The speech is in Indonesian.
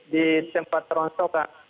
di sempat terontok kak